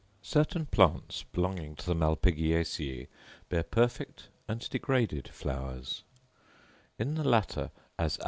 Certain plants, belonging to the Malpighiaceæ, bear perfect and degraded flowers; in the latter, as A.